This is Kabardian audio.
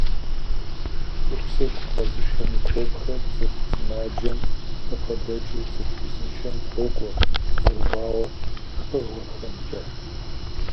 Пыхусыху къэзышэ микробхэр цӀыху сымаджэм къыбгъэдэкӀыу цӀыху узыншэм хуокӀуэ зэрыбауэ пкъыгъуэхэмкӀэ.